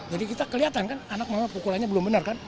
jadi kita kelihatan kan anak memang pukulannya belum benar kan